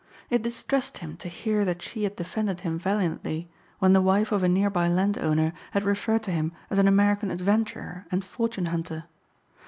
It distressed him to hear that she had defended him valiantly when the wife of a nearby landowner had referred to him as an American adventurer and fortune hunter.